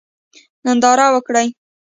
ننداره وکړئ.